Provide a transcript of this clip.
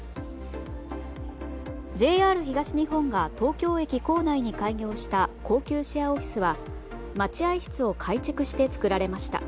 ＪＲ東日本が東京駅構内に開業した高級シェアオフィスは待合室を改築して作られました。